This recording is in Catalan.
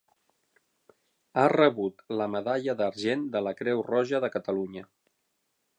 Ha rebut la medalla d'argent de la Creu Roja de Catalunya.